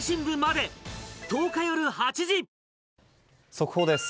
速報です。